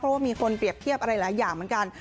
เพราะว่ามีคนเปรียบเทียบอะไรหลายอย่างเหมือนกัน